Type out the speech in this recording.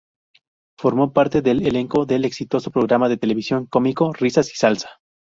Formó parte del elenco del exitoso programa de televisión cómico "Risas y Salsa".